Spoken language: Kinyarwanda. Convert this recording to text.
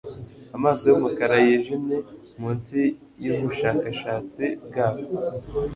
Amaso yumukara yijimye munsi yubushakashatsi bwabo